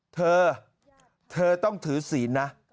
เธอเธอต้องถือศีลนะ